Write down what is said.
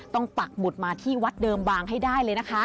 ปักหมุดมาที่วัดเดิมบางให้ได้เลยนะคะ